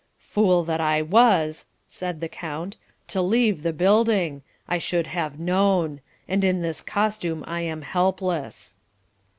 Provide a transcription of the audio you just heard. "Fool that I was," said the count, "to leave the building. I should have known. And in this costume I am helpless."